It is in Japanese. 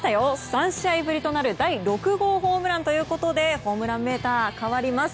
３試合ぶりとなる第６号ホームランということでホームランメーター変わります。